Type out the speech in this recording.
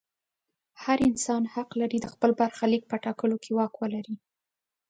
هر انسان حق لري د خپل برخلیک په ټاکلو کې واک ولري.